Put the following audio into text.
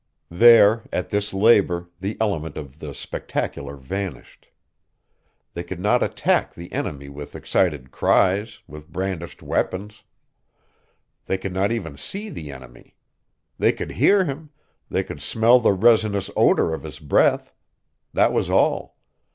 There, at this labor, the element of the spectacular vanished. They could not attack the enemy with excited cries, with brandished weapons. They could not even see the enemy. They could hear him, they could smell the resinous odor of his breath. That was all.